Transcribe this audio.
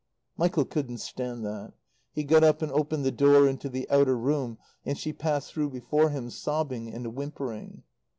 Michael couldn't stand that. He got up and opened the door into the outer room, and she passed through before him, sobbing and whimpering.